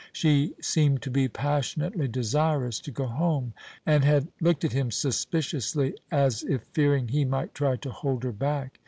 She seemed to be passionately desirous to go home, and had looked at him suspiciously, as if fearing he might try to hold her back.